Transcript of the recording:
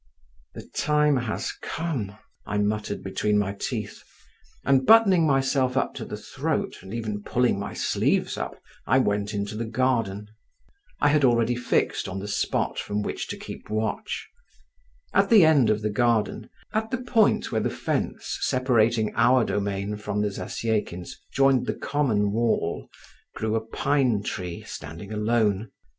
"The time has come!" I muttered between my teeth; and buttoning myself up to the throat, and even pulling my sleeves up, I went into the garden. I had already fixed on the spot from which to keep watch. At the end of the garden, at the point where the fence, separating our domain from the Zasyekins,' joined the common wall, grew a pine tree, standing alone.